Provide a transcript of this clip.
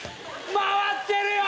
回ってるよ！